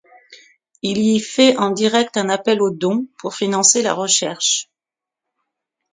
Il y fait en direct un appel aux dons pour financer la recherche.